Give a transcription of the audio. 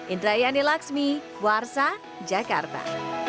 indra yani laksmi puarsa jakarta